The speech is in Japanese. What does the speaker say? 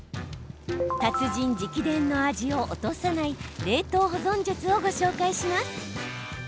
達人直伝の味を落とさない冷凍保存術をご紹介します。